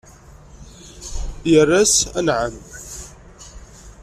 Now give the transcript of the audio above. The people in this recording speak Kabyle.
Irra-as: Anɛam!